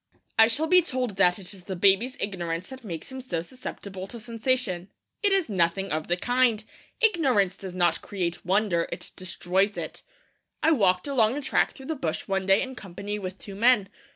I shall be told that it is the baby's ignorance that makes him so susceptible to sensation. It is nothing of the kind. Ignorance does not create wonder; it destroys it. I walked along a track through the bush one day in company with two men.